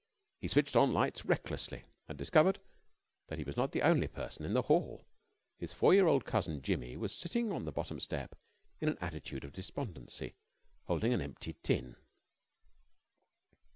He switched on lights recklessly, and discovered that he was not the only person in the hall. His four year old cousin Jimmy was sitting on the bottom step in an attitude of despondency, holding an empty tin.